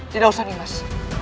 tidak usah nih mas